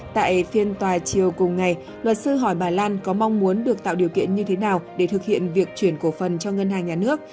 tại phiên tòa chiều cùng ngày luật sư hỏi bà lan có mong muốn được tạo điều kiện như thế nào để thực hiện việc chuyển cổ phần cho ngân hàng nhà nước